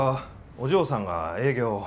お嬢さんが営業を。